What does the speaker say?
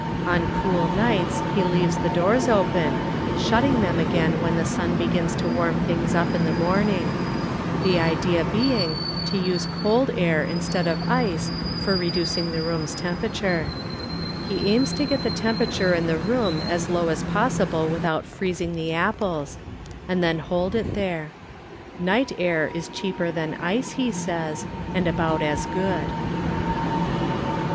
On cool nights he leaves the doors open, shut ting them again when the sun begins to warm things up in the morning ŌĆö the idea being to use cold air instead of ice for reducing the room's temperature. He aims to get the temperature in the room as low as possible without freez it^ the apples, and then hold it there. Night air IS cheaper than ice, he says, and about as good.